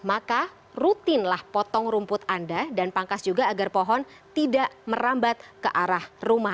maka rutinlah potong rumput anda dan pangkas juga agar pohon tidak merambat ke arah rumah